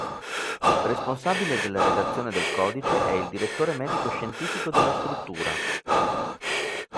Responsabile della redazione del codice è il direttore medico scientifico della struttura.